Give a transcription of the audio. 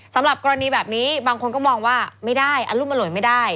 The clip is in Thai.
สำหรับกรณีแบบนี้บางคนก็มองว่าไม่ได้อรุ่นอร่วยไม่ได้